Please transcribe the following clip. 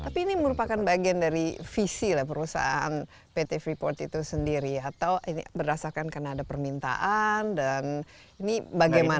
tapi ini merupakan bagian dari visi lah perusahaan pt freeport itu sendiri atau ini berdasarkan karena ada permintaan dan ini bagaimana